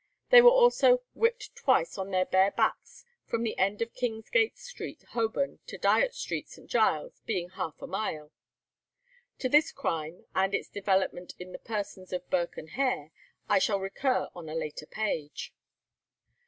They were also "whipped twice on their bare backs from the end of King's Gate Street, Holborn, to Dyot Street, St. Giles, being half a mile." To this crime, and its development in the persons of Burke and Hare, I shall recur on a later page.